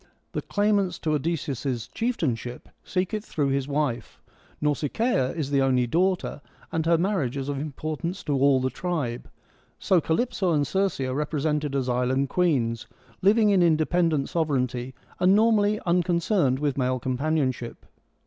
The claimants to Odysseus' chieftainship seek it through his wife ; Nausicaa is the only daughter, and her marriage is of importance to all the tribe. So Calyp so and Circe are represented as island queens, living in independent sovereignty, and normally uncon cerned with male companionship.